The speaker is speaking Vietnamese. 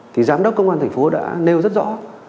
thì giám đốc công an thành phố đã nêu rất rõ